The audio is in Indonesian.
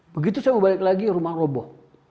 begitu saya mau balik lagi rumah roboh